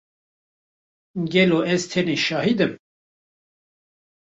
Gelo ez tenê şahid im?